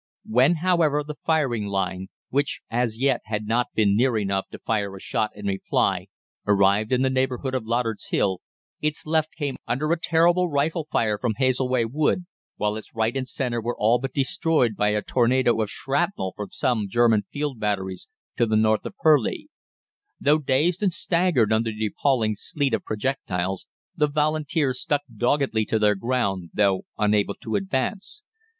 "When, however, the firing line which as yet had not been near enough to fire a shot in reply arrived in the neighbourhood of Loddard's Hill, its left came under a terrible rifle fire from Hazeleigh Wood, while its right and centre were all but destroyed by a tornado of shrapnel from some German field batteries to the north of Purleigh. Though dazed and staggered under the appalling sleet of projectiles, the Volunteers stuck doggedly to their ground, though unable to advance.